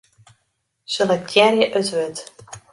Selektearje it wurd.